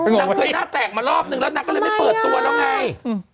นางเคยหน้าแตกมารอบนึงแล้วนางก็เลยไม่เปิดตัวแล้วไง